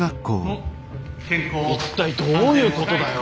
一体どういうことだよ。